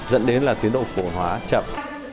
dẫn đến là tiến độ cổ phần hóa chậm